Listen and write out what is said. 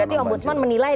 berarti om budsman menilai